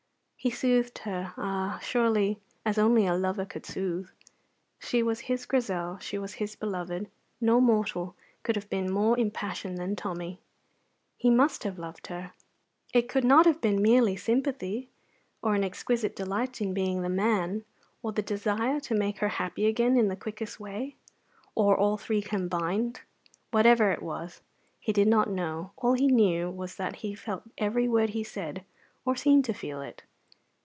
He soothed her, ah, surely as only a lover could soothe. She was his Grizel, she was his beloved. No mortal could have been more impassioned than Tommy. He must have loved her. It could not have been merely sympathy, or an exquisite delight in being the man, or the desire to make her happy again in the quickest way, or all three combined? Whatever it was, he did not know; all he knew was that he felt every word he said, or seemed to feel it.